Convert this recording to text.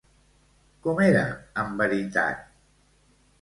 Com era en veritat?